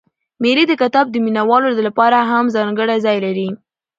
مېلې د کتاب د مینه والو له پاره هم ځانګړى ځای لري.